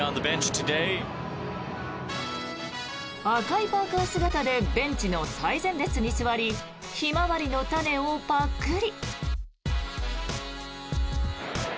赤いパーカ姿でベンチの最前列に座りヒマワリの種をパクリ。